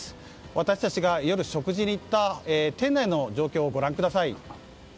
私たちが夜、食事に行った店内の状況をご覧ください。